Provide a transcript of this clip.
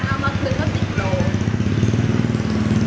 ก็บอกว่าที่ออกขันนี้ใช่มั้ย